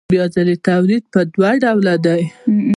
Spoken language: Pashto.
بیا ځلي تولید په دوه ډوله دی